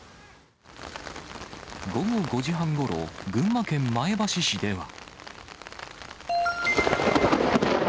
午後５時半ごろ、群馬県前橋市では。